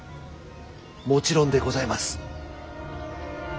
もちろんでございます。